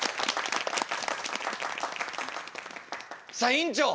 さあ院長